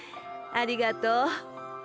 ありがとう。